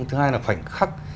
thứ hai là khoảnh khắc